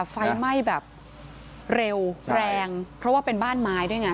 ไฟไหม้แบบเร็วแรงเพราะว่าเป็นบ้านไม้ด้วยไง